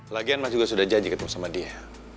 lagian mas juga sudah janji ketemu sama dia